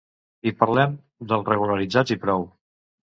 I parlem dels regularitzats i prou.